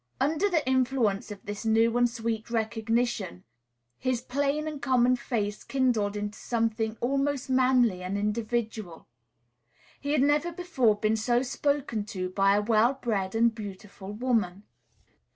Under the influence of this new and sweet recognition his plain and common face kindled into something almost manly and individual. He had never before been so spoken to by a well bred and beautiful woman.